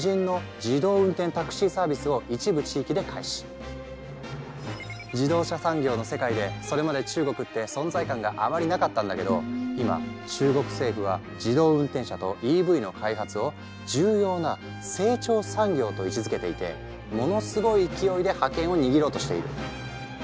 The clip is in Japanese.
例えば自動車産業の世界でそれまで中国って存在感があまりなかったんだけど今中国政府は自動運転車とＥＶの開発を重要な成長産業と位置づけていてものすごい勢いで覇権を握ろうとしている。